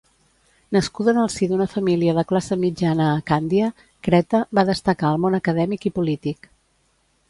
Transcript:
Nascuda en el si d'una família de classe mitjana a Càndia, Creta, va destacar al món acadèmic i polític.